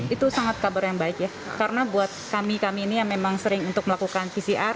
itu sangat kabar yang baik ya karena buat kami kami ini yang memang sering untuk melakukan pcr